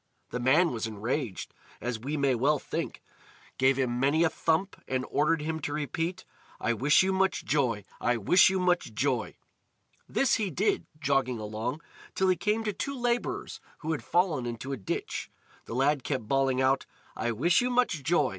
The man was enraged, as we may well think, gave him many a thump, and ordered him to repeat: "I wish you much joy! I wish you much joy!" This he did, jogging along, till he came to two labourers who had fallen into a ditch. The lad kept bawling out: "I wish you much joy!